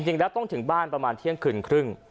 จริงแล้วต้องถึงบ้านประมาณเที่ยงคืนครึ่ง